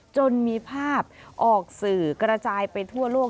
จนมีภาพออกสื่อกระจายไปทั่วโลก